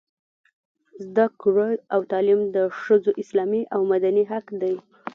زده کړه او تعلیم د ښځو اسلامي او مدني حق دی.